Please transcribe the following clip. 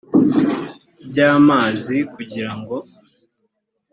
by amazi kugira ngo